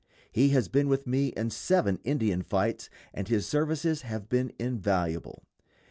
He has been with me in seven Indian fights, and his services have been invaluable.